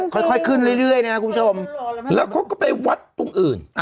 ค่อยค่อยขึ้นเรื่อยเรื่อยน่ะคุณผู้ชมแล้วเขาก็ไปวัดตรงอื่น